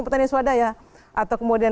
petani swadaya atau kemudian